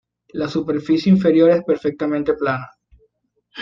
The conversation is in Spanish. La superficie inferior es perfectamente plana.